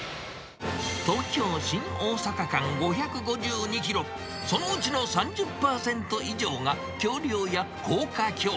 東京・新大阪間５５２キロ、そのうちの３０％以上が橋りょうや高架橋。